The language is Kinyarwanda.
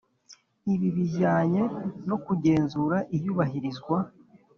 Ibi bijyanye no kugenzura iyubahirizwa